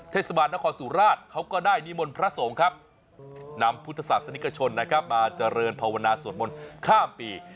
เทศบาลนครสุราชเขาก็ได้นิมนต์พระสงฆ์ครับนำพุทธศาสนิกชนนะครับมาเจริญภาวนาสวดมนต์ข้ามปี